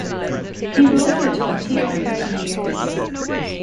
He ruled for twenty or thirty years.